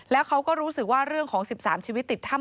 แล้วเขาก็รู้สึกว่าเรื่องของ๑๓ชีวิตติดถ้ำ